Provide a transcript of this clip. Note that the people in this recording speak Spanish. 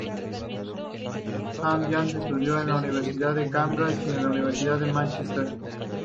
James Chadwick estudió en la Universidad de Cambridge y en la Universidad de Mánchester.